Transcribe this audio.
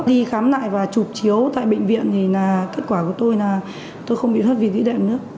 đi khám lại và chụp chiếu tại bệnh viện thì kết quả của tôi là tôi không bị thoát vị tỷ đệm nữa